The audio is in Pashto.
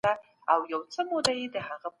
کليوال ژوند پراخ و.